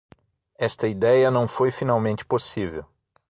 Esta ideia não foi finalmente possível.